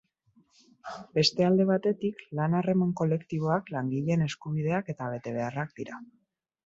Beste alde batetik, lan-harreman kolektiboak langileen eskubideak eta betebeharrak dira.